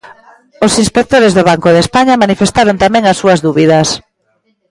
Os inspectores do Banco de España manifestaron tamén as súas dúbidas.